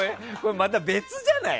また、別じゃない？